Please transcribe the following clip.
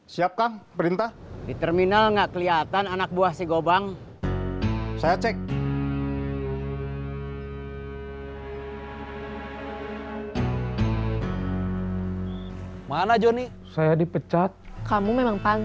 sampai jumpa di video selanjutnya